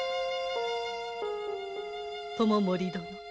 知盛殿。